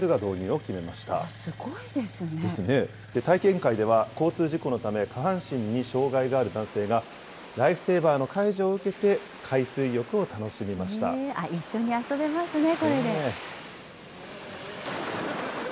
体験会では、交通事故のため、下半身に障害がある男性が、ライフセーバーの介助を受一緒に遊べますね。